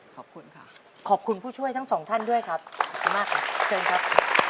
ขอบคุณค่ะขอบคุณผู้ช่วยทั้งสองท่านด้วยครับขอบคุณมากครับเชิญครับ